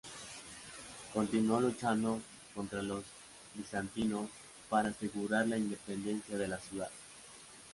Continuó luchando contra los bizantinos para asegurar la independencia de la ciudad.